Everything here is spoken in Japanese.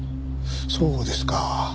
そうですか。